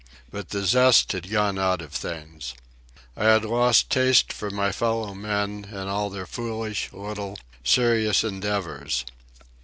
But the zest had gone out of things. I had lost taste for my fellow men and all their foolish, little, serious endeavours.